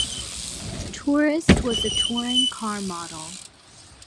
Tourist was a touring car model.